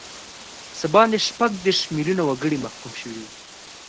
څه باندې شپږ دیرش میلیونه وګړي محکوم شوي وو.